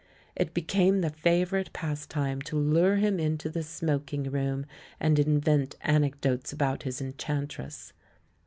It became the fa vourite pastime to lure him into the smoking room and invent anecdotes about his enchantress.